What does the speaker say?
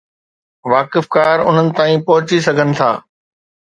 واقفڪار انهن تائين پهچي سگهن ٿا.